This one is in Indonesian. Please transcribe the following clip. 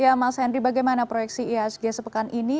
ya mas henry bagaimana proyeksi ihsg sepekan ini